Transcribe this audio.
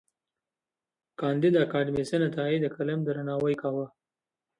کانديد اکاډميسن عطايي د قلم درناوی کاوه.